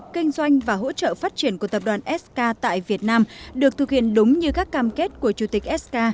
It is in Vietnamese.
kinh doanh và hỗ trợ phát triển của tập đoàn sk tại việt nam được thực hiện đúng như các cam kết của chủ tịch sk